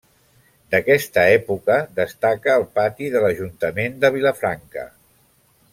D'aquesta època destaca el pati de l'ajuntament de Vilafranca.